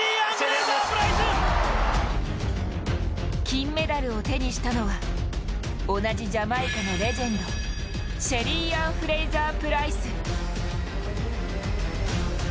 金メダルを手にしたのは同じジャマイカのレジェンドシェリーアン・フレイザー・プライス。